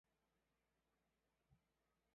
电波之日是日本的一个节日。